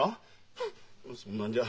フッそんなんじゃ